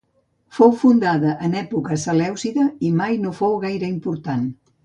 Fou fundada en època selèucida i mai no fou gaire important.